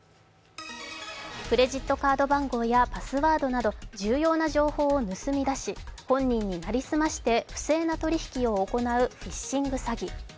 クレジットカード番号やパスワードなど重要な情報を盗み出し本人に成り済まして不正な取引を行うフィッシング詐欺。